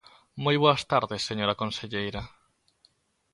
Moi boas tardes, señora conselleira.